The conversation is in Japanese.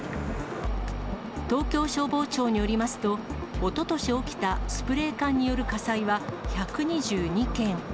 東京消防庁によりますと、おととし起きたスプレー缶による火災は、１２２件。